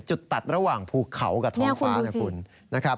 จุดตัดระหว่างภูเขากับทองฟ้านะคุณ